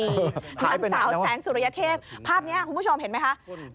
นางสาวแสงสุรเทพภาพนี้คุณผู้ชมเห็นไหมคะ